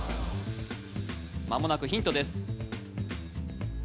間もなくヒントです